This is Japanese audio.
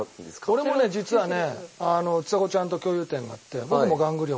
俺もね実はねちさ子ちゃんと共通点があって。